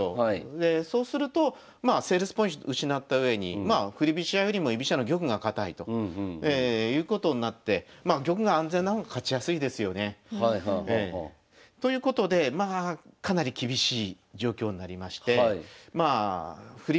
でそうするとまあセールスポイント失ったうえに振り飛車よりも居飛車の玉が堅いということになってまあ玉が安全な方が勝ちやすいですよね。ということでまあかなり厳しい状況になりまして振り